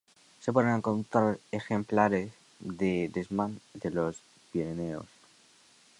Se pueden encontrar ejemplares de desmán de los Pirineos.